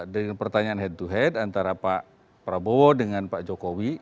dengan pertanyaan head to head antara pak prabowo dengan pak jokowi